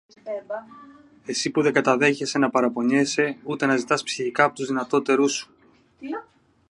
Εσύ, που δεν καταδέχεσαι να παραπονιέσαι, ούτε να ζητάς ψυχικά από τους δυνατότερους σου.